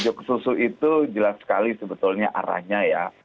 ojo ke susu itu jelas sekali sebetulnya arahnya ya